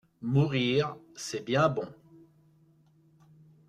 Mourir, c’est bien bon.